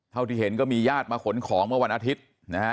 เท่าที่เห็นก็มีญาติมาขนของเมื่อวันอาทิตย์นะฮะ